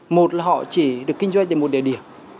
một là họ chỉ được kinh doanh tại một địa điểm